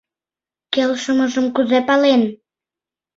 Келшымыжым кузе пален?